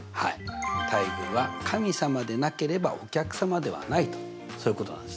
対偶は「神様でなければお客様ではない」とそういうことなんです。